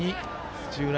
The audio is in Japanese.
土浦